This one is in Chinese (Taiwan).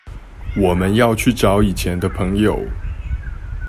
我們要去找以前的朋友